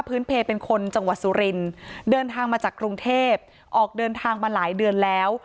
เพลเป็นคนจังหวัดสุรินเดินทางมาจากกรุงเทพออกเดินทางมาหลายเดือนแล้ว